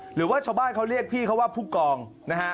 หรือว่าชาวบ้านเขาเรียกพี่เขาว่าผู้กองนะฮะ